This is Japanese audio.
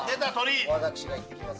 私が行ってきます。